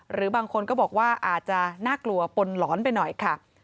หรือบางคนก็บอกว่าอาจจะน่ากลัวปนหลอนไปหน่อยค่ะ